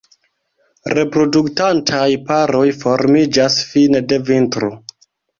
Reproduktantaj paroj formiĝas fine de vintro.